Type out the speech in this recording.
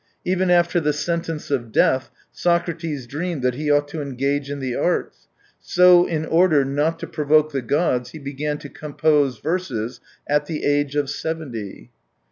Even after the sentence of death Socrates dreamed that he ought to engage in the arts, so in order not to provoke the gods he began to compose verses, at the age of seventy.